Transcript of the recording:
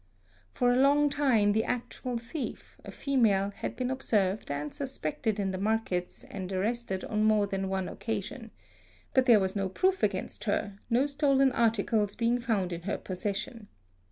For a long time the actual thief, a female, had been observed and suspected in the markets and arrested on more than one occasion, but there was no proof against her, no stolen articles being found in her possession.